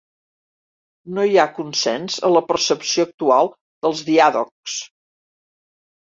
No hi ha consens en la percepció actual dels diàdocs.